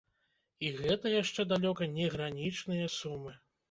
І гэта яшчэ далёка не гранічныя сумы.